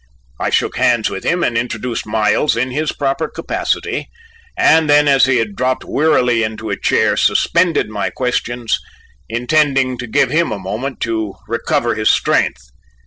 I shook hands with him and introduced Miles in his proper capacity, and then, as he had dropped wearily into a chair, suspended my questions, intending to give him a moment to recover his strength.